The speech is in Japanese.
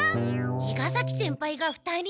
伊賀崎先輩が２人？